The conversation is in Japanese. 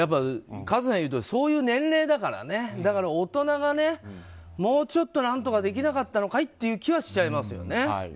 和津さんが言うとおりそういう年齢だからねだから大人がもうちょっと何とかできなかったのかいという気はしちゃいますよね。